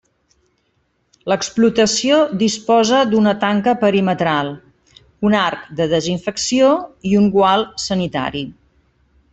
L'explotació disposa d'una tanca perimetral, un arc de desinfecció i un gual sanitari.